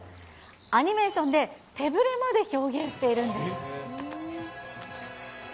アニメーションで手ぶれまで表現しているんです。